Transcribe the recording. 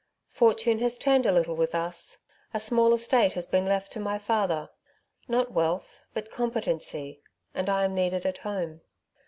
'' Fortune has turned a little with us. A small estate has been left to my father — ^not wealth, but competency — and I am needed at home.